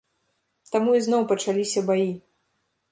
Таму ізноў пачаліся баі.